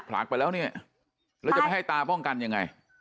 ผลักไปแล้วเนี่ยแล้วจะไม่ให้ตาป้องกันยังไง